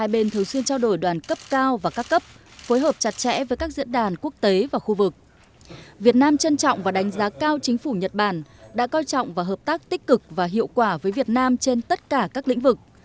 phối hợp chặt chẽ với các diễn đàn quốc tế và khu vực việt nam trân trọng và đánh giá cao chính phủ nhật bản đã coi trọng và hợp tác tích cực và hiệu quả với việt nam trên tất cả các lĩnh vực